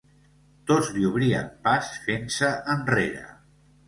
Tots li obrien pas fent-se enrere.